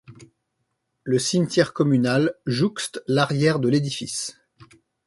Le cimetière communal jouxte l'arrière de l'édifice.